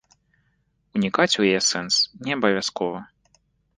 Унікаць у яе сэнс не абавязкова.